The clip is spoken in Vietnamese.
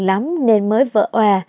lắm nên mới vỡ oà